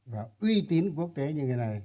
và uy tín quốc tế như thế này